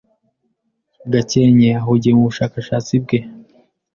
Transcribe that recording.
Gakenke ahugiye mubushakashatsi bwe.